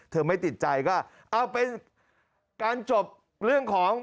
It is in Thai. ไม่ติดใจก็เอาเป็นการจบเรื่องของ